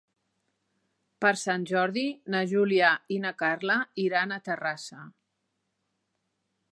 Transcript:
Per Sant Jordi na Júlia i na Carla iran a Terrassa.